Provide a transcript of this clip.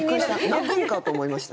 泣くんかと思いました。